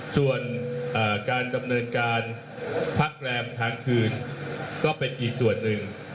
ส่วนการดำเนินการพักแรมทางคืนก็เป็นอีกส่วนหนึ่ง